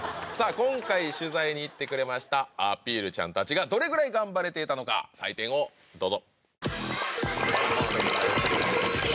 今回取材に行ってくれましたアピールちゃんたちがどれぐらい頑張れていたのか採点をどうぞ！